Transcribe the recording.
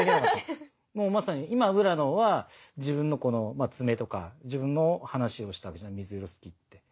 もうまさに今浦野は自分の爪とか自分の話をしたわけじゃん水色好きって。